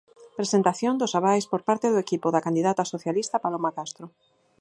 Presentación dos avais por parte do equipo da candidata socialista Paloma Castro.